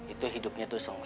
itu hidupnya tuh sengsara